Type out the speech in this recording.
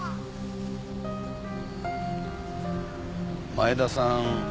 前田さん